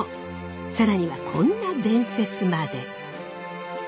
更にはこんな伝説まで。